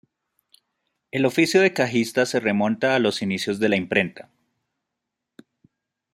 El oficio de cajista se remonta a los inicios de la imprenta.